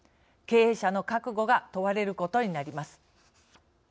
経営者の覚悟が問われることになります。